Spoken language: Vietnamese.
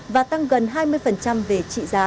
và tăng gần hai mươi về trị giá